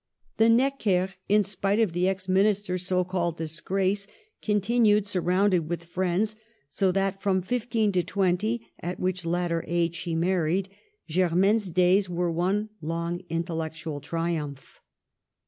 The Neckers, in spite of the ex minister's so called " disgrace," continued surrounded with friends, so that from fifteen to twenty, at which latter age she married, Germaine's days were one long intellectual triumph.